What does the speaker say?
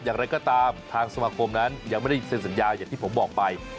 อย่างไรก็ตามทางสมาคมนั้นยังไม่ได้เซ็นสัญญาอย่างที่ผมบอกไป